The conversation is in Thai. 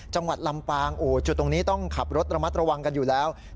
จังหวัดลำปางจุดตรงนี้ต้องขับรถระมัดระวังกันอยู่แล้ว